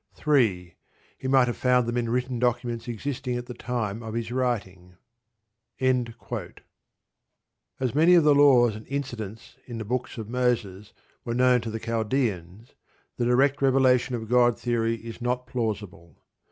3. He might have found them in written documents existing at the time of his writing. As many of the laws and incidents in the books of Moses were known to the Chaldeans, the "direct revelation of God" theory is not plausible.